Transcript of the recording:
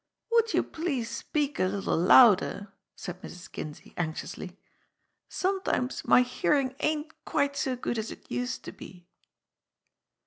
"Would you please speak a little louder," said Mrs. Kin sey anxiously. "Sometimes my hearing ain't quite so good as it used to be."